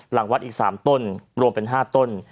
หลังวัดอีก๓ต้นรวมเป็น๕ต้น